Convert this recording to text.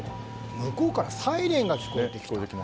向こうからサイレンが聞こえてきた。